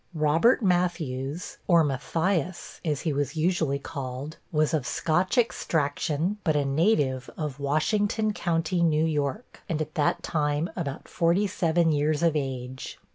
Robert Matthews, or Matthias (as he was usually called), was of Scotch extraction, but a native of Washington County, New York, and at that time about forty seven years of age.